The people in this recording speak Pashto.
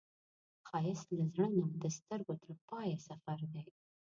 ښایست له زړه نه د سترګو تر پایه سفر دی